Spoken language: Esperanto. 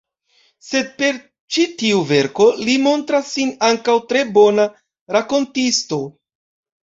Sed per ĉi tiu verko, li montras sin ankaŭ tre bona rakontisto.